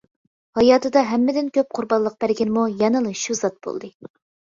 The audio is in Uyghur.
ھاياتىدا ھەممىدىن كۆپ قۇربانلىق بەرگىنىمۇ يەنىلا شۇ زات بولدى.